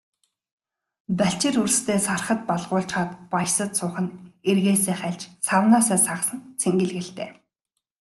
Балчир үрстээ сархад балгуулчхаад баясаж суух нь эргээсээ хальж, савнаасаа сагасан цэнгэл гэлтэй.